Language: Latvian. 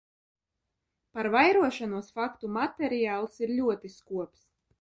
Par vairošanos faktu materiāls ir ļoti skops.